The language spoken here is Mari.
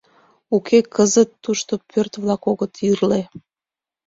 Уке, кызыт тушто пӧрт-влак огыт ирле